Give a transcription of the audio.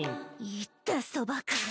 言ったそばから。